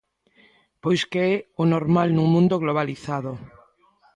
Pois que é o normal nun mundo globalizado.